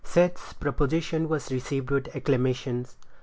Seth's proposition was received with acclamations.